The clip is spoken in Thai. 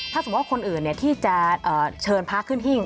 ถ้าสมมุติว่าคนอื่นที่จะเชิญพระขึ้นหิ้ง